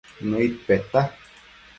Nëid peta